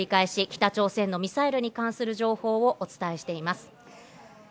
北朝鮮のミサイルに関する情報をお伝えしています。